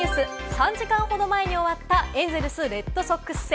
３時間ほど前に終わった、エンゼルス対レッドソックス戦。